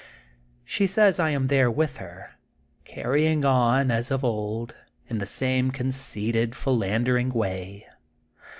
She says I am there with her, carrying on, as of old, in the same conceited, philandering way.